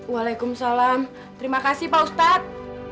waalaikumsalam terima kasih pak ustadz